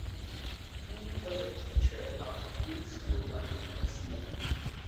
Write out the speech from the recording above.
He was a teacher of the Greek School of Nicosia.